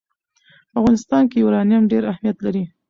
په افغانستان کې یورانیم ډېر اهمیت لري.